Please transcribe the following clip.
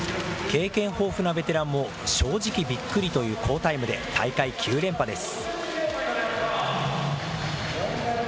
経験豊富なベテランも、正直びっくりという好タイムで、大会９連覇です。